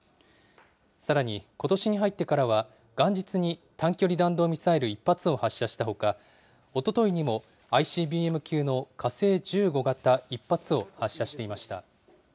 さらに、ことしに入ってからは、元日に短距離弾道ミサイル１発を発射したほか、おとといにもＩＣＢＭ級の火星１５型１発を発射していました。